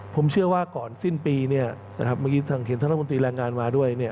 ผมเชื่อว่าก่อนสิ้นปีนี้นะครับเมื่อกี้ทางเขียนธนาคมนตรีแรงงานมาด้วยนี้